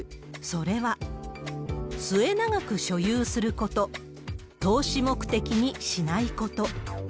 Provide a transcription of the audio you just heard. それは、末永く所有すること、投資目的にしないこと。